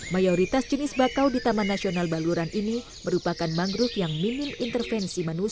mayoritas jenis bakau di taman nasional baluran ini merupakan mangrove yang minim intervensi manusia